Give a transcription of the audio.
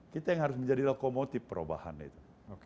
kita yang harus menjadi lokomotif perubahan itu